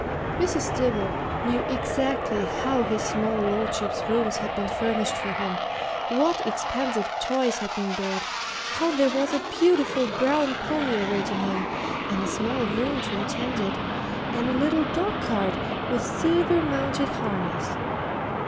Mrs. Dibble knew exactly how his small lordship's rooms had been furnished for him, what expensive toys had been bought, how there was a beautiful brown pony awaiting him, and a small groom to attend it, and a little dog cart, with silver mounted harness.